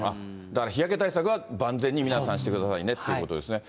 だから日焼け対策は皆さん万全にしてくださいねっていうことですね。